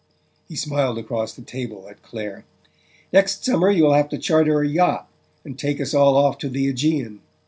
He smiled across the table at Clare. "Next summer you'll have to charter a yacht, and take us all off to the Aegean.